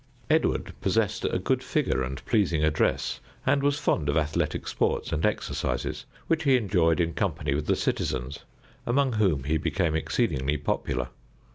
Edward possessed a good figure and pleasing address, and was fond of athletic sports and exercises, which he enjoyed in company with the citizens, among whom he became exceedingly popular.